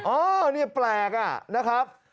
อุ๊ยสวยนะนี่แปลกนะครับ